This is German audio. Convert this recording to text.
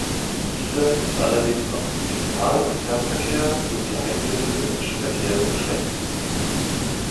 Dieser ist allerdings auf den Regional- und Fernverkehr sowie einige touristische Verkehre beschränkt.